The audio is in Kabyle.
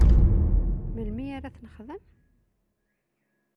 Melmi ara ad t-nexdem?